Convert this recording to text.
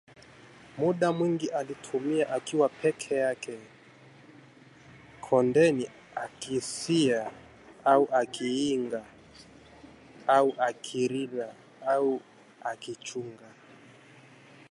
Muda mwingi aliutumia akiwa peke yake kondeni akisia au akiinga, au akirina au akichunga